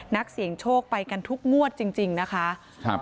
นักเสียงโชคไปกันทุกงวดจริงนะคะ